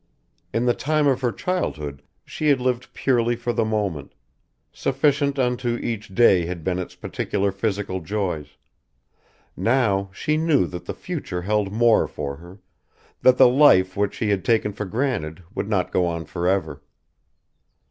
In the time of her childhood she had lived purely for the moment; sufficient unto each day had been its particular physical joys; now she knew that the future held more for her, that the life which she had taken for granted would not go on for ever.